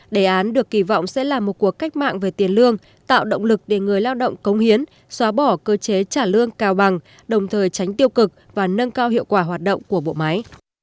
đề án được kỳ vọng sẽ là một cuộc cách mạng về tiền lương tạo động lực để người lao động công hiến xóa bỏ cơ chế trả lương cao bằng đồng thời tránh tiêu cực và nâng cao hiệu quả hoạt động của bộ máy